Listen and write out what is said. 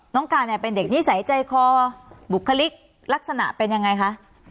การเนี่ยเป็นเด็กนิสัยใจคอบุคลิกลักษณะเป็นยังไงคะ